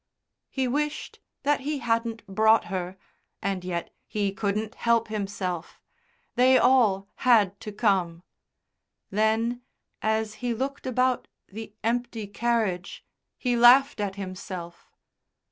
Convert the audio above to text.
He wished that he hadn't brought her, and yet he couldn't help himself. They all had to come. Then, as he looked about the empty carriage, he laughed at himself.